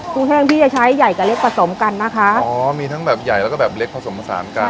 แห้งที่จะใช้ใหญ่กับเล็กผสมกันนะคะอ๋อมีทั้งแบบใหญ่แล้วก็แบบเล็กผสมผสานกัน